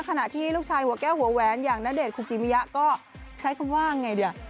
ขณะที่ลูกชายหัวแก้วหัวแหวนอย่างณเดชนคุกิมิยะก็ใช้คำว่าไงเนี่ย